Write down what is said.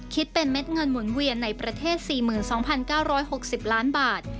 คิดเป็นเม็ดเงินหมุนเวียนในประเทศ๔๒๙๖๐ล้านบาท